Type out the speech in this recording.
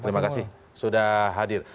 terima kasih sudah hadir